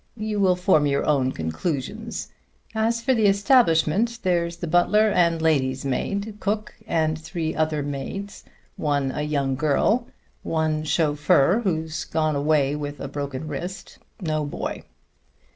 You will form your own conclusions. As for the establishment, there's the butler and lady's maid, cook and three other maids, one a young girl. One chauffeur, who's away with a broken wrist. No boy."